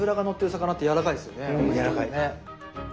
うんやわらかいね。